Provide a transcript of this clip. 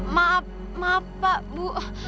maaf pak bu